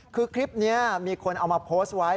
คือคลิปนี้มีคนเอามาโพสต์ไว้